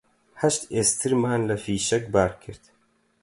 هەشت ئێسترمان لە فیشەک بار کرد